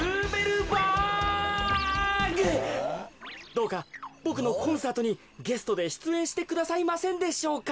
どうかボクのコンサートにゲストでしゅつえんしてくださいませんでしょうか。